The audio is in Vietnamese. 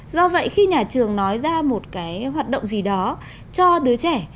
do vậy khi nhà trường nói ra một cái hoạt động gì đó cho đứa trẻ